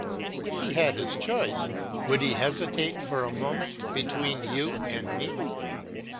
If he had his choice, would he hesitate for a moment between you and me?